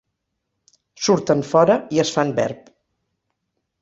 Surten fora i es fan verb.